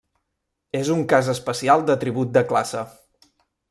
És un cas especial d'atribut de classe.